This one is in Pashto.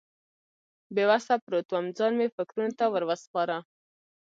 بې وسه پروت وم، ځان مې فکرونو ته ور وسپاره.